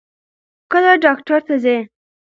کله ډاکټر ته ځې؟